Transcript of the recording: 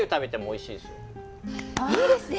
いいですね！